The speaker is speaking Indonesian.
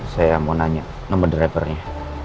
saya mau nanya nomor drivernya